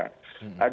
dan itu juga ya kan